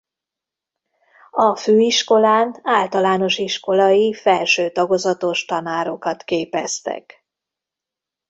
A főiskolán általános iskolai felső tagozatos tanárokat képeztek.